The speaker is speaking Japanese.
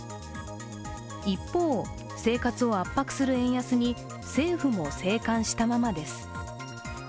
一方、生活を圧迫する円安に政府も静観したままです。